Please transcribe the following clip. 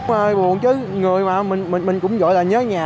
chúng tôi buồn chứ người mà mình cũng gọi là nhớ nhà